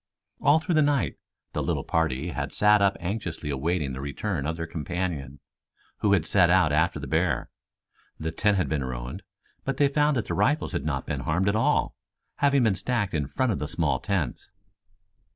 All through the night the little party had sat up anxiously awaiting the return of their companion, who had set out after the bear. The tent had been ruined, but they found that the rifles had not been harmed at all, having been stacked in front of the small tents.